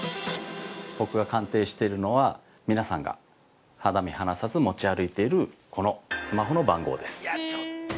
◆僕が鑑定しているのは皆さんが肌身離さず持ち歩いているこのスマホの番号です。